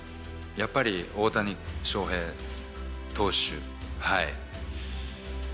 やっぱり大谷翔平投手。